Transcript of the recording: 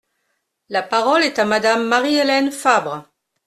La parole est à Madame Marie-Hélène Fabre.